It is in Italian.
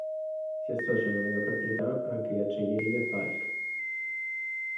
Si associano nella proprietà anche le Acciaierie Falck.